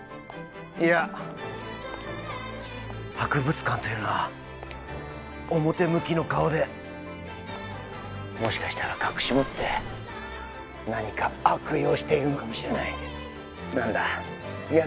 いや博物館というのは表向きの顔でもしかしたら隠し持って何か悪用しているのかもしれないなんだや